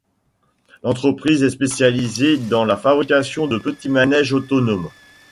L'entreprise est spécialisée dans la fabrication de petits manèges autonomes.